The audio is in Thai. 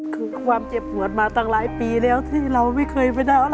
คือความเจ็บปวดมาตั้งหลายปีแล้วที่เราไม่เคยไปได้อะไร